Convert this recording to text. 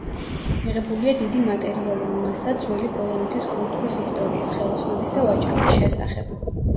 მიღებულია დიდი მატერიალური მასალა ძველი პოლონეთის კულტურის ისტორიის, ხელოსნობის და ვაჭრობის შესახებ.